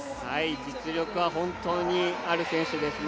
実力は本当にある選手です。